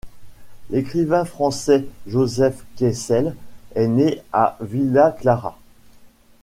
L'écrivain français Joseph Kessel est né à Villa Clara.